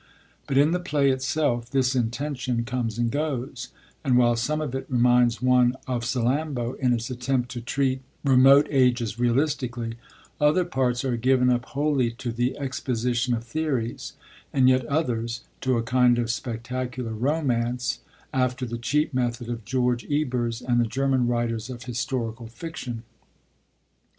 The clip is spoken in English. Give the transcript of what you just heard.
But in the play itself this intention comes and goes; and, while some of it reminds one of Salammbô in its attempt to treat remote ages realistically, other parts are given up wholly to the exposition of theories, and yet others to a kind of spectacular romance, after the cheap method of George Ebers and the German writers of historical fiction.